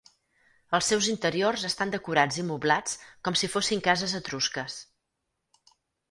Els seus interiors estan decorats i moblats com si fossin cases etrusques.